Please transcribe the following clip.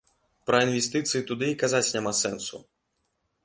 Пра інвестыцыі туды і казаць няма сэнсу.